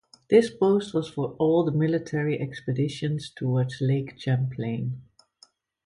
This post was for all the military expeditions towards Lake Champlain.